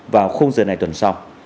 vào khung giờ này tuần sau